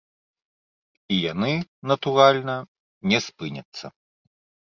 І яны, натуральна, не спыняцца.